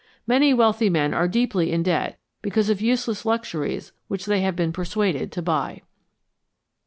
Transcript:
Many wealthy men are deeply in debt because of useless luxuries which they have been persuaded to buy.